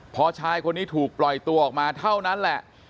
พอชายคนนี้ถูกปล่อยตัวออกมาเท่านั้นแหละ